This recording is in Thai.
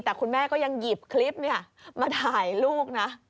แต่คุณแม่ก็ยังหยิบคลิปมาถ่ายลูกนะ